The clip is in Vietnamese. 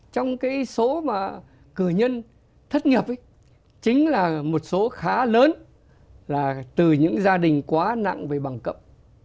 trong cái số mà cử nhân thất nghiệp chính là một số khá lớn là từ những gia đình quá nặng về bằng cấp